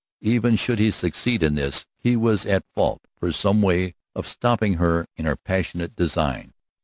Even should he succeed in this, he was at fault for some way of stopping her in her passionate design.